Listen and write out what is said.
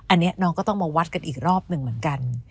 อันนี้น้องก็ต้องมาวัดกันอีกรอบหนึ่งเหมือนกัน